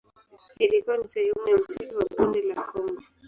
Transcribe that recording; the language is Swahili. Ilikuwa ni sehemu ya msitu wa Bonde la Kongo.